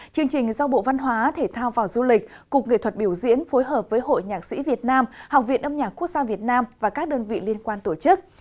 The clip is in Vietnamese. chương trình do bộ văn hóa thể thao và du lịch cục nghệ thuật biểu diễn phối hợp với hội nhạc sĩ việt nam học viện âm nhạc quốc gia việt nam và các đơn vị liên quan tổ chức